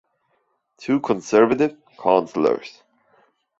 Two Conservative councillors.